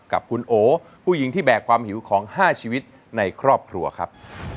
กับคุณโอผู้หญิงที่แบกความหิวของ๕ชีวิตในครอบครัวครับ